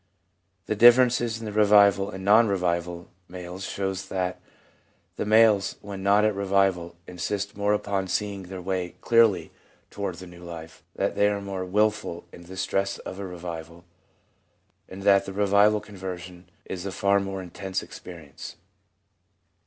The differences in the revival and non revival males show that the males when not at revival insist more upon seeing their way clearly toward the new life, that they are more wilful in the stress of a revival, and that the revival conversion is a far more intense experience.